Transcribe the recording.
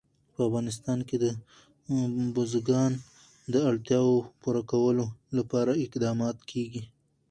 په افغانستان کې د بزګان د اړتیاوو پوره کولو لپاره اقدامات کېږي.